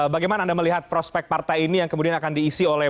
bagaimana anda melihat prospek partai ini yang kemudian akan diisi oleh